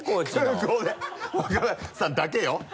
空港で若林さんだけよ？